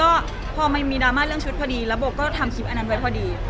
ก็พอมันมีดราม่าเรื่องชุดพอดีแล้วโบก็ทำคลิปอันนั้นไว้พอดี